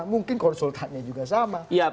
mungkin konsultannya juga sama